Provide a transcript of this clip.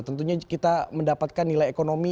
tentunya kita mendapatkan nilai ekonomi